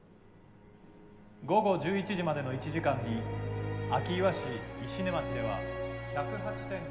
「午後１１時までの１時間に明岩市石音町では１０８．５ミリの」。